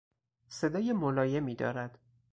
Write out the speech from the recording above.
صدای ملایمی دارد.